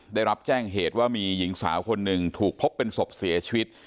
ได้รับแจ้งเหตุว่ามีหญิงสาวคนหนึ่งถูกพบเป็นศพเสียชีวิต